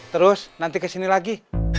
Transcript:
terus nanti kesini lagi